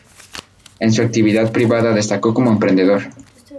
En su actividad privada destacó como emprendedor.